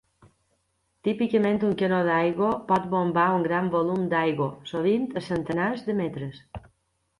Típicament, un canó d'aigua pot bombar un gran volum d'aigua, sovint a centenars de metres.